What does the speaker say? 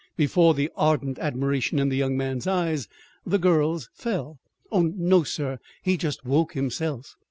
Before the ardent admiration in the young man's eyes, the girl's fell. "Oh, no, sir. He just woke himself."